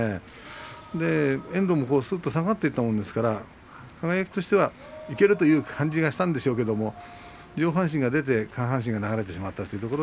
遠藤もすっと下がっていったもんですから輝としてはいけるという感じがしたんでしょうけど上半身が出て下半身が流れてしまいました。